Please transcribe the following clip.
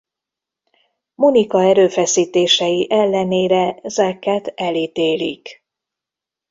Monica erőfeszítései ellenére Zack-ot elítélik.